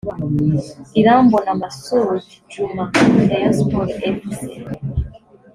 Irambona Massoud Djuma (Rayon Sports Fc)